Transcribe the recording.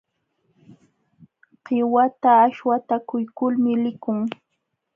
Qiwata shwatakuykulmi likun.